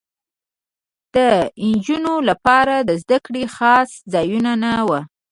د نجونو لپاره د زدکړې خاص ځایونه نه وو